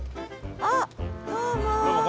あっどうも。